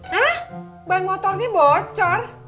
hah ban motornya bocor